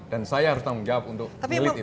dan saya harus menjawab untuk melihat itu